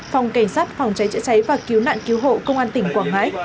phòng cảnh sát phòng cháy chữa cháy và cứu nạn cứu hộ công an tỉnh quảng ngãi